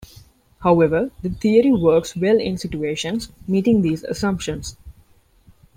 However, the theory works well in situations meeting these assumptions.